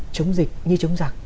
chống dịch như chống giặc